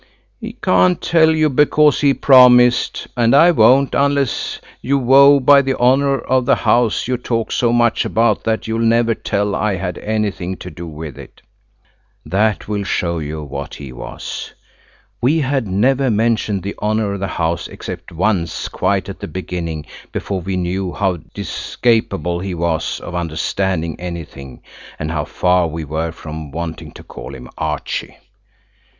"He can't tell you because he promised–and I won't–unless you vow by the honour of the house you talk so much about that you'll never tell I had anything to do with it." That will show you what he was. We had never mentioned the honour of the house except once quite at the beginning, before we knew how discapable he was of understanding anything, and how far we were from wanting to call him Archie.